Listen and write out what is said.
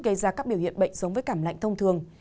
gây ra các biểu hiện bệnh giống với cảm lạnh thông thường